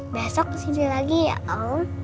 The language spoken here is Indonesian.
besok kesini lagi ya allah